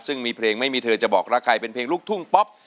ซึ่งมีเพลงไม่มีเธอจะบอกว่าใครเป็นเพลงลูกทุ่งป๊อป